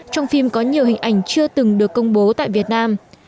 trong phim có nhiều hình ảnh chưa từng được công bố tại việt nam